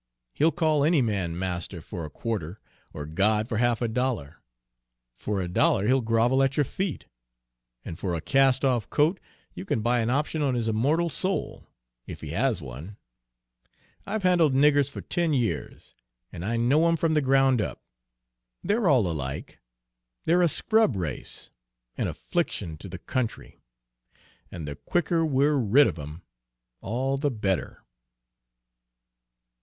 "He'll call any man 'master' for a quarter, or 'God' for half a dollar; for a dollar he'll grovel at your feet, and for a cast off coat you can buy an option on his immortal soul, if he has one! I've handled niggers for ten years, and I know 'em from the ground up. They're all alike, they're a scrub race, an affliction to the country, and the quicker we're rid of 'em all the better."